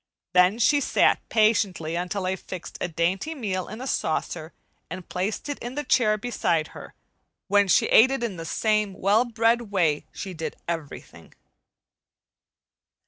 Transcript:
Then she sat patiently until I fixed a dainty meal in a saucer and placed it in the chair beside her, when she ate it in the same well bred way she did everything.